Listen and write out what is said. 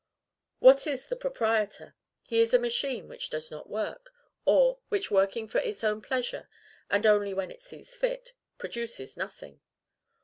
What is the proprietor? He is a machine which does not work; or, which working for its own pleasure, and only when it sees fit, produces nothing.